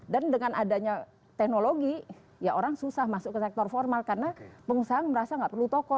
dan dengan adanya teknologi ya orang susah masuk ke sektor formal karena pengusaha merasa enggak perlu toko